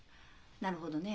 なるほどね。